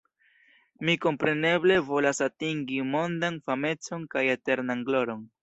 Mi kompreneble volas atingi mondan famecon kaj eternan gloron.